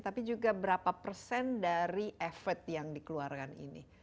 tapi juga berapa persen dari effort yang dikeluarkan ini